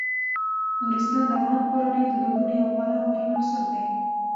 نورستان د افغان کورنیو د دودونو یو خورا مهم عنصر دی.